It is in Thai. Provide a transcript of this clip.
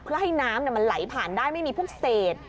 เพื่อให้น้ำมันไหลผ่านได้ไม่มีพวกเศษ